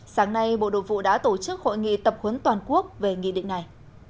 sáng nay bộ đội vụ đã tổ chức hội nghị tập huấn toàn quốc về nghị định này